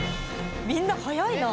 みんな早いな！